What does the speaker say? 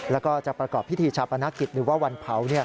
แล้วก็จะประกอบพิธีชาปนกิจหรือว่าวันเผา